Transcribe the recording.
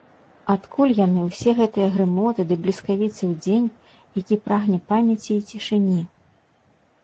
Адкуль яны, усе гэтыя грымоты ды бліскавіцы ў дзень, які прагне памяці і цішыні?!